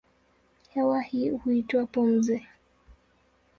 Hewa hii huitwa pumzi.